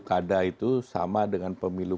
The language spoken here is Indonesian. kada itu sama dengan pemilu